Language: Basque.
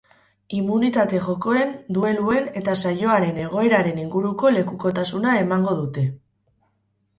Immunitate jokoen, dueluen eta saioaren egoeraren inguruko lekukotasuna emango dute.